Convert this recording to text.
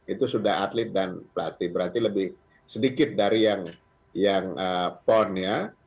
itu sudah atlet dan pelatih berarti lebih sedikit dari yang pon ya